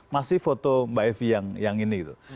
masih foto mbak evi yang ini gitu